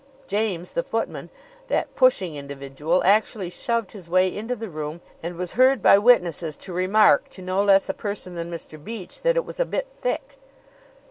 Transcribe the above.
James, the footman that pushing individual actually shoved his way into the room, and was heard by witnesses to remark to no less a person than Mr. Beach that it was a bit thick.